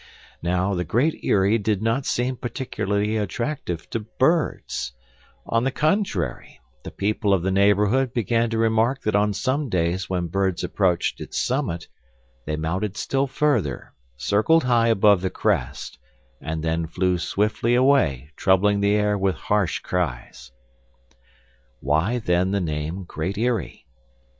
Now, the Great Eyrie did not seem particularly attractive to birds; on the contrary, the people of the neighborhood began to remark that on some days when birds approached its summit they mounted still further, circled high above the crest, and then flew swiftly away, troubling the air with harsh cries. Why then the name Great Eyrie?